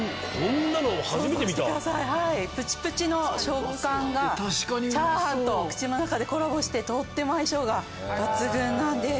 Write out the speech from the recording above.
想像してくださいプチプチの食感がチャーハンと口の中でコラボしてとっても相性が抜群なんです。